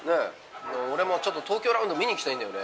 俺もちょっと東京ラウンド見に行きたいんだよね。